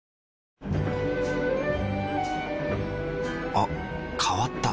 あ変わった。